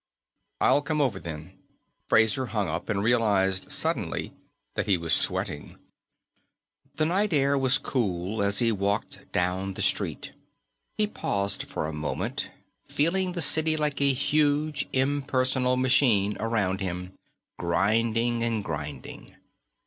"I'll come over, then." Fraser hung up and realized, suddenly, that he was sweating. The night air was cool as he walked down the street. He paused for a moment, feeling the city like a huge impersonal machine around him, grinding and grinding.